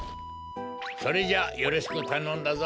それじゃあよろしくたのんだぞ。